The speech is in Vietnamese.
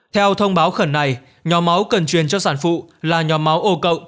theo thông báo khẩn này nhóm máu cần truyền cho sản phụ là nhóm máu o